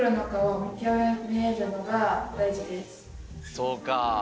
そうか。